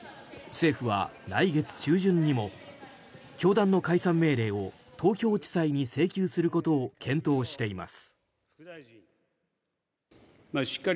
政府は来月中旬にも教団の解散命令を東京地裁に請求することを検討しています。